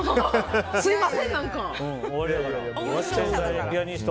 すみません、何か。